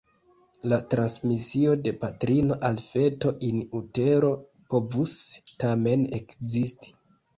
La transmisio de patrino al feto "in utero" povus tamen ekzisti.